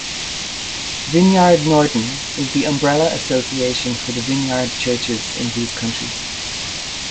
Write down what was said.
Vineyard Norden is the umbrella association for the Vineyard churches in these countries.